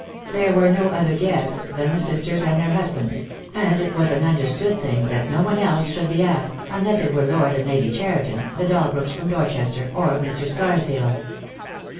There were no other guests than the sisters and their husbands; and it was an understood thing that no one else should be asked, un less it were Lord and Lady Cheriton, the Dalbrooks from Dorchester, or Mr. Scarsdale.